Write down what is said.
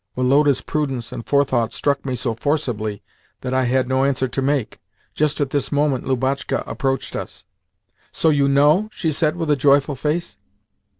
Woloda's prudence and forethought struck me so forcibly that I had no answer to make. Just at this moment Lubotshka approached us. "So you know?" she said with a joyful face.